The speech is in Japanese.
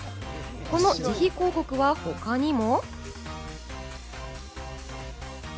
この自費広告は他にも。